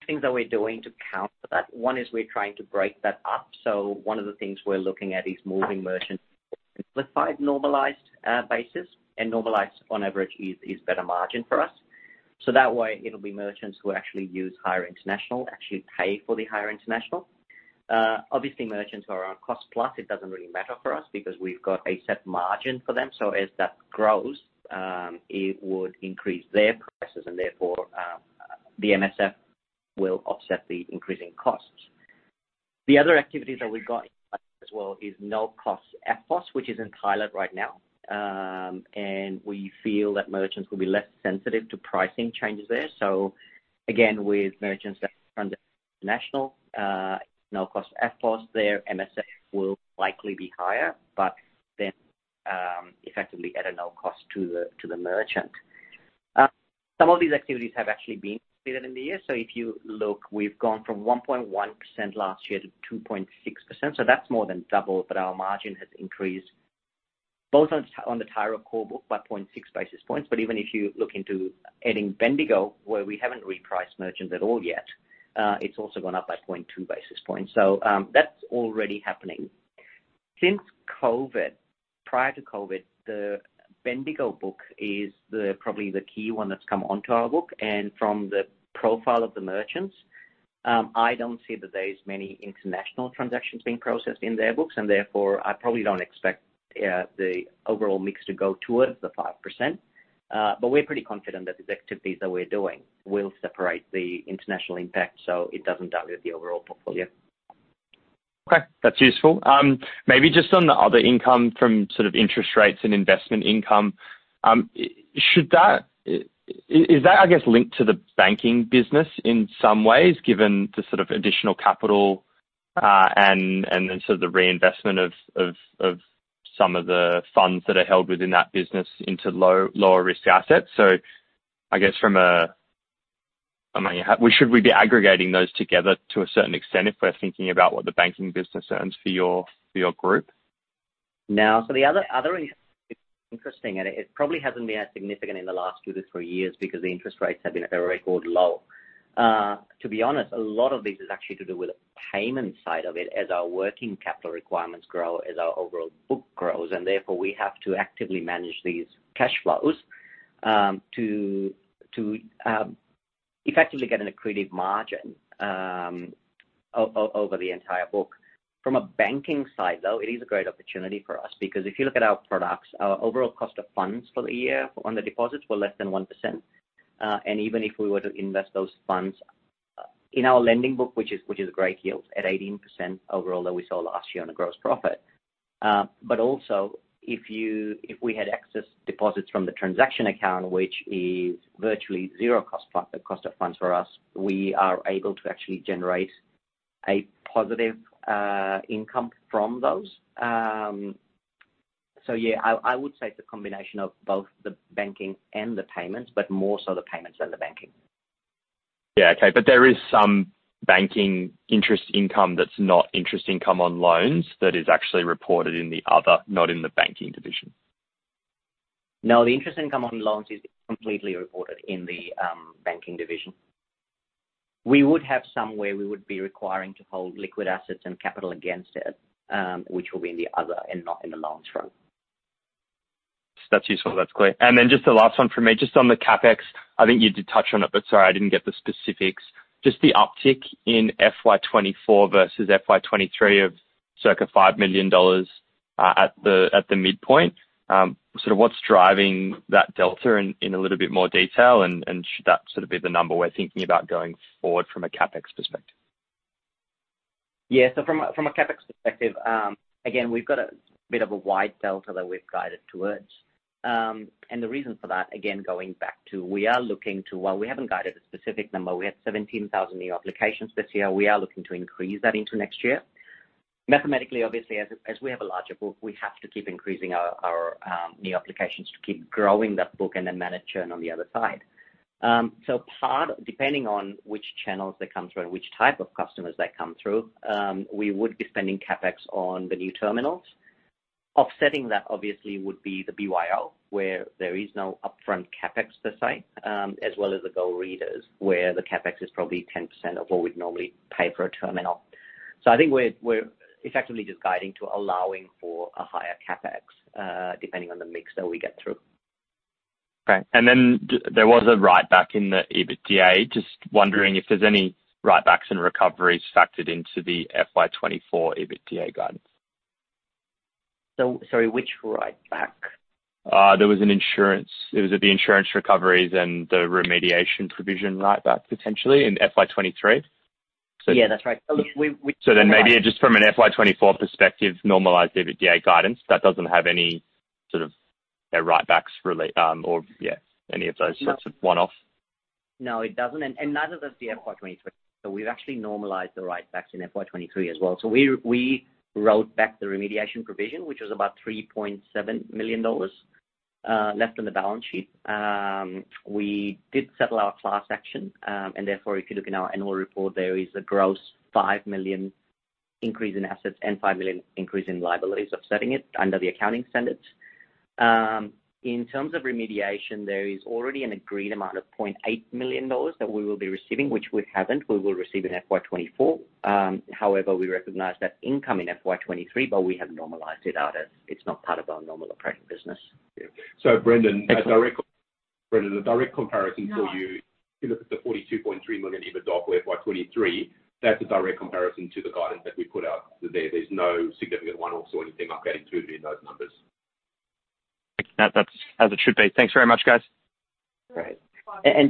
Things that we're doing to counter that, one is we're trying to break that up. So one of the things we're looking at is moving merchants with five normalized basis, and normalized on average is better margin for us. So that way, it'll be merchants who actually use higher international, actually pay for the higher international. Obviously, merchants who are on cost-plus, it doesn't really matter for us because we've got a set margin for them. So as that grows, it would increase their prices, and therefore, the MSF will offset the increasing costs. The other activities that we've got as well is no-cost EFTPOS, which is in pilot right now, and we feel that merchants will be less sensitive to pricing changes there. So again, with merchants that are on the international, no-cost EFTPOS, their MSF will likely be higher, but then, effectively at a no cost to the, to the merchant. Some of these activities have actually been completed in the year. So if you look, we've gone from 1.1% last year to 2.6%, so that's more than double, but our margin has increased both on the, on the Tyro core book by 0.6 basis points. But even if you look into adding Bendigo, where we haven't repriced merchants at all yet, it's also gone up by 0.2 basis points. So, that's already happening. Since COVID, prior to COVID, the Bendigo book is the, probably the key one that's come onto our book, and from the profile of the merchants, I don't see that there is many international transactions being processed in their books, and therefore, I probably don't expect, the overall mix to go towards the 5%. But we're pretty confident that these activities that we're doing will separate the international impact, so it doesn't dilute the overall portfolio. Okay, that's useful. Maybe just on the other income from sort of interest rates and investment income, should that be? Is that, I guess, linked to the banking business in some ways, given the sort of additional capital, and then sort of the reinvestment of some of the funds that are held within that business into lower risk assets? So I guess from a, I mean, how should we be aggregating those together to a certain extent, if we're thinking about what the banking business earns for your group? Now, so the other interesting, and it probably hasn't been as significant in the last two to three years because the interest rates have been at a record low. To be honest, a lot of this is actually to do with the payment side of it, as our working capital requirements grow, as our overall book grows, and therefore we have to actively manage these cash flows, to effectively get an accretive margin, over the entire book. From a banking side, though, it is a great opportunity for us because if you look at our products, our overall cost of funds for the year on the deposits were less than 1%. And even if we were to invest those funds in our lending book, which is great yields at 18% overall, that we saw last year on a gross profit. But also, if we had excess deposits from the transaction account, which is virtually zero cost of funds for us, we are able to actually generate a positive income from those. So yeah, I would say it's a combination of both the banking and the payments, but more so the payments than the banking. Yeah. Okay. But there is some banking interest income that's not interest income on loans that is actually reported in the other, not in the banking division? No, the interest income on loans is completely reported in the banking division. We would have some where we would be requiring to hold liquid assets and capital against it, which will be in the other and not in the loans front. That's useful. That's clear. And then just the last one for me, just on the CapEx, I think you did touch on it, but sorry, I didn't get the specifics. Just the uptick in FY 2024 versus FY 2023 of circa 5 million dollars at the, at the midpoint. So what's driving that delta in, in a little bit more detail? And, and should that sort of be the number we're thinking about going forward from a CapEx perspective? Yeah. So from a CapEx perspective, again, we've got a bit of a wide delta that we've guided towards. And the reason for that, again, going back to we are looking to... Well, we haven't guided a specific number. We had 17,000 new applications this year. We are looking to increase that into next year. Mathematically, obviously, as we have a larger book, we have to keep increasing our new applications to keep growing that book and then manage churn on the other side. So part, depending on which channels they come through and which type of customers they come through, we would be spending CapEx on the new terminals. Offsetting that obviously would be the BYO, where there is no upfront CapEx per se, as well as the Go Readers, where the CapEx is probably 10% of what we'd normally pay for a terminal. So I think we're effectively just guiding to allowing for a higher CapEx, depending on the mix that we get through. Okay. And then there was a write-back in the EBITDA. Just wondering if there's any write-backs and recoveries factored into the FY 2024 EBITDA guidance? Sorry, which write-back? There was an insurance—it was at the insurance recoveries and the remediation provision write-back, potentially, in FY 2023. Yeah, that's right. Look, we- Maybe just from an FY 24 perspective, normalized EBITDA guidance, that doesn't have any sort of a write-backs really, any of those sorts of one-off? No, it doesn't, and neither does the FY 2023. So we've actually normalized the write-backs in FY 2023 as well. So we wrote back the remediation provision, which was about 3.7 million dollars, left on the balance sheet. We did settle our class action, and therefore, if you look in our annual report, there is a gross 5 million increase in assets and 5 million increase in liabilities, offsetting it under the accounting standards. In terms of remediation, there is already an agreed amount of 0.8 million dollars that we will be receiving, which we haven't. We will receive in FY 2024. However, we recognize that income in FY 2023, but we have normalized it out, as it's not part of our normal operating business. Yeah. So, Brendan, a direct comparison for you, if you look at the 42.3 million EBITDA FY 2023, that's a direct comparison to the guidance that we put out there. There's no significant one-off or anything like that included in those numbers. That's as it should be. Thanks very much, guys. Great.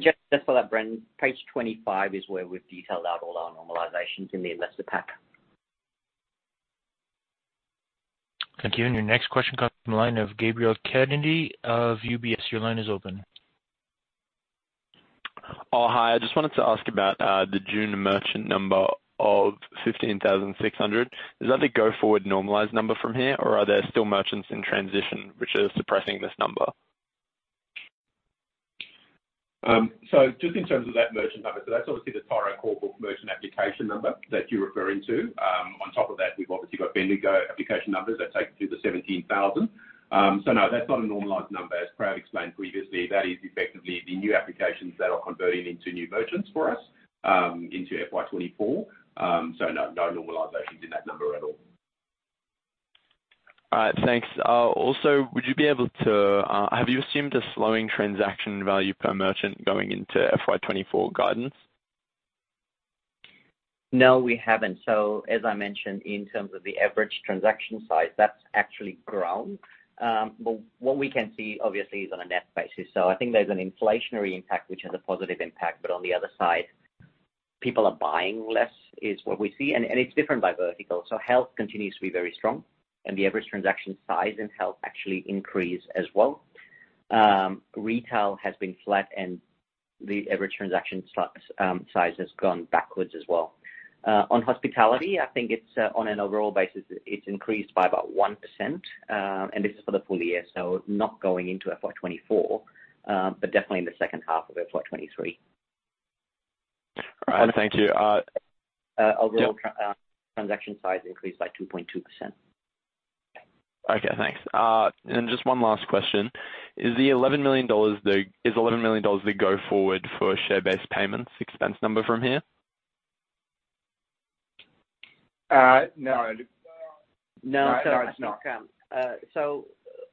Just for that, Brendan, page 25 is where we've detailed out all our normalizations in the investor pack. Thank you. And your next question comes from the line of Gabriel Kennedy of UBS. Your line is open. Oh, hi. I just wanted to ask about the June merchant number of 15,600. Is that the go-forward normalized number from here, or are there still merchants in transition, which is suppressing this number? So, just in terms of that merchant number, so that's obviously the Tyro core book merchant application number that you're referring to. On top of that, we've obviously got Bendigo application numbers that take it to the 17,000. So, no, that's not a normalized number. As Prav explained previously, that is effectively the new applications that are converting into new merchants for us, into FY 2024. So, no, no normalizations in that number at all. All right, thanks. Also, would you be able to, have you assumed a slowing transaction value per merchant going into FY 2024 guidance? No, we haven't. So as I mentioned, in terms of the average transaction size, that's actually grown. But what we can see obviously is on a net basis. So I think there's an inflationary impact, which has a positive impact. But on the other side, people are buying less, is what we see, and it's different by vertical. So health continues to be very strong, and the average transaction size in health actually increased as well. Retail has been flat, and the average transaction size has gone backwards as well. On hospitality, I think on an overall basis, it's increased by about 1%, and this is for the full year, so not going into FY 2024, but definitely in the second half of FY 2023. All right, thank you. Overall, transaction size increased by 2.2%. Okay, thanks. Just one last question: is 11 million dollars the go-forward for share-based payments expense number from here? Uh, no. No, it's not. So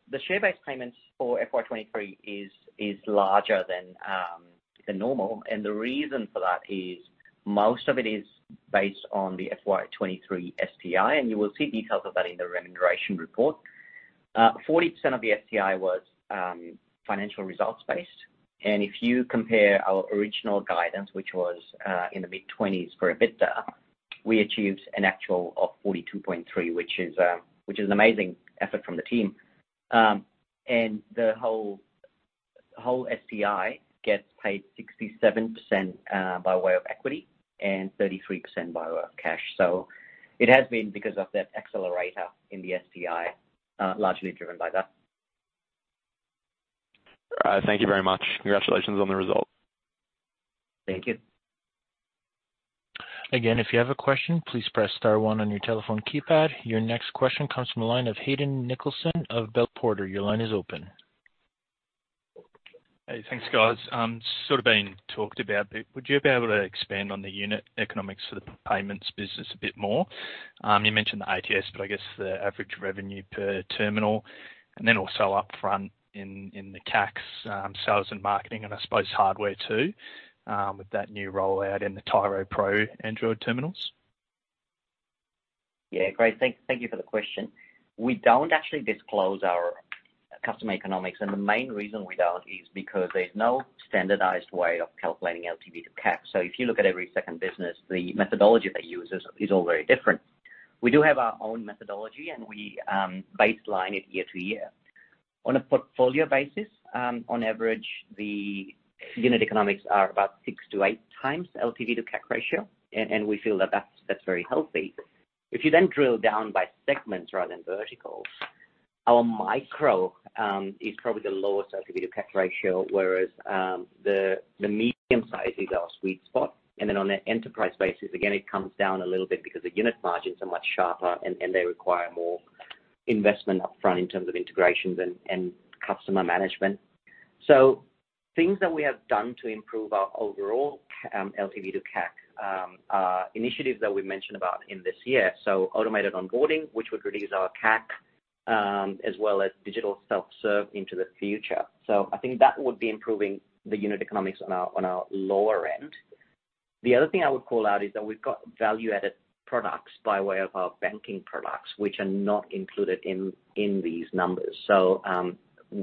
the share-based payments for FY 2023 is larger than normal, and the reason for that is most of it is based on the FY 2023 STI, and you will see details of that in the remuneration report. Forty percent of the STI was financial results-based, and if you compare our original guidance, which was in the mid-20s for EBITDA, we achieved an actual of 42.3, which is an amazing effort from the team. And the whole STI gets paid 67% by way of equity and 33% by way of cash. So it has been because of that accelerator in the STI, largely driven by that. Thank you very much. Congratulations on the result. Thank you. Again, if you have a question, please press star one on your telephone keypad. Your next question comes from the line of Hayden Nicholson of Bell Potter. Your line is open. Hey, thanks, guys. Sort of been talked about, but would you be able to expand on the unit economics of the payments business a bit more? You mentioned the ATS, but I guess the average revenue per terminal, and then also upfront in the CACs, sales and marketing, and I suppose hardware, too, with that new rollout in the Tyro Pro Android terminals. Yeah, great. Thank you for the question. We don't actually disclose our customer economics, and the main reason we don't is because there's no standardized way of calculating LTV to CAC. So if you look at every second business, the methodology they use is all very different. We do have our own methodology, and we baseline it year to year. On a portfolio basis, on average, the unit economics are about 6-8 times LTV to CAC ratio, and we feel that that's very healthy. If you then drill down by segments rather than verticals, our micro is probably the lowest LTV to CAC ratio, whereas the medium size is our sweet spot. Then on an enterprise basis, again, it comes down a little bit because the unit margins are much sharper, and they require more investment upfront in terms of integrations and customer management. So things that we have done to improve our overall LTV to CAC initiatives that we mentioned about in this year, so automated onboarding, which would reduce our CAC, as well as digital self-serve into the future. So I think that would be improving the unit economics on our lower end. The other thing I would call out is that we've got value-added products by way of our banking products, which are not included in these numbers. So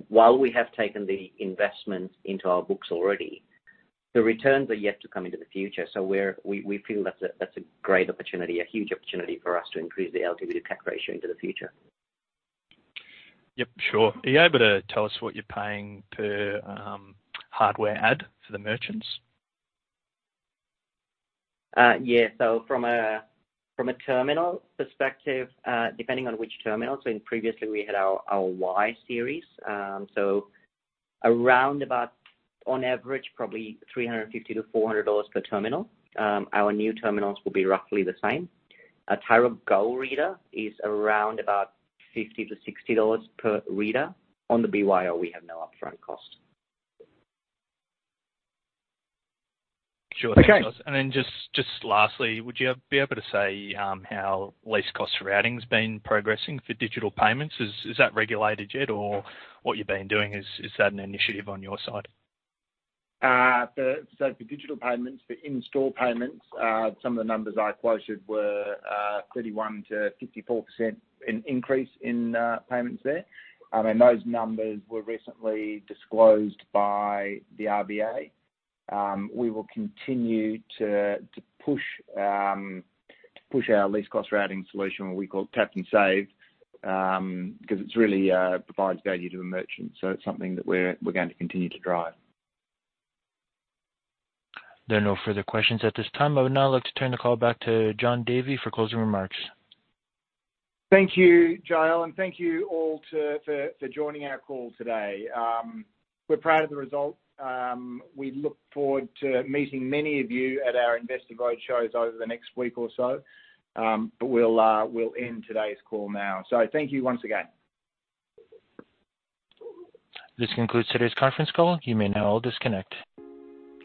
while we have taken the investment into our books already, the returns are yet to come into the future. We feel that's a great opportunity, a huge opportunity for us to increase the LTV to CAC ratio into the future. Yep, sure. Are you able to tell us what you're paying per, hardware ad for the merchants? Yeah. So from a terminal perspective, depending on which terminal, so previously we had our Y series. So around about on average, probably 350-400 dollars per terminal. Our new terminals will be roughly the same. A Tyro Go reader is around about 50-60 dollars per reader. On the BYO, we have no upfront cost. Sure. Okay. Then just lastly, would you be able to say how least-cost routing's been progressing for digital payments? Is that regulated yet or what you've been doing, is that an initiative on your side? So for digital payments, for in-store payments, some of the numbers I quoted were 31%-54% increase in payments there. And those numbers were recently disclosed by the RBA. We will continue to push our least-cost routing solution, what we call Tap and Save, because it really provides value to a merchant. So it's something that we're going to continue to drive. There are no further questions at this time. I would now like to turn the call back to Jon Davey for closing remarks. Thank you, Jael, and thank you all for joining our call today. We're proud of the results. We look forward to meeting many of you at our Investor Roadshows over the next week or so. But we'll end today's call now. So thank you once again. This concludes today's conference call. You may now all disconnect.